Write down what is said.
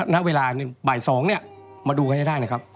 ณเวลาบ่าย๒เนี่ยมาดูกันให้ได้นะครับ